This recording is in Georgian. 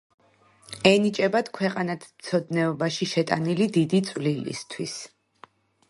ენიჭებათ ქვეყანათმცოდნეობაში შეტანილი დიდი წვლილისთვის.